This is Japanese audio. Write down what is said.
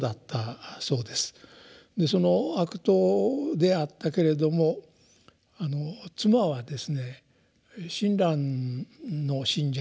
その悪党であったけれども妻はですね親鸞の信者であったというんですね。